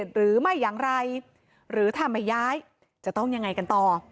หรือไม่อย่างไรหรือถ้าไม่ย้ายจะต้องยังไงกันต่อ